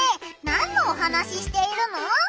なんのお話しているの？